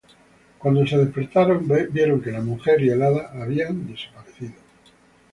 Cuando se despertaron vieron que la mujer y el hada habían desaparecido.